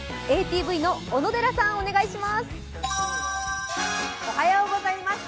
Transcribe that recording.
ＡＴＶの小野寺さん、お願いします。